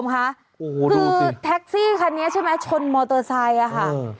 คือแท็กซี่คันนี้ใช่ไหมชนมอเตอร์ไซค์ค่ะ